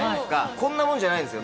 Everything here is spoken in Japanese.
こんなもんじゃないんですよ